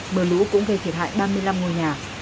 mưa lũ cũng gây thiệt hại ba mươi năm ngôi nhà